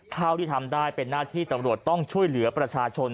เท่าที่ทำได้เป็นหน้าที่ตำรวจต้องช่วยเหลือประชาชน